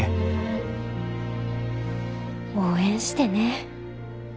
応援してね。